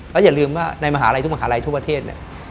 แล้วอย่าลืมว่าในมหาลัยทุกมหาลัยทั่วประเทศเนี่ย